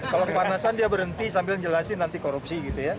kalau kepanasan dia berhenti sambil menjelaskan nanti korupsi